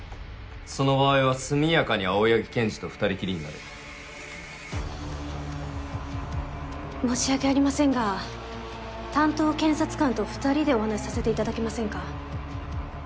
その場合は速やかに青柳検事と２人きりになれ申し訳ありませんが担当検察官と２人でお話しさせていただけませんか？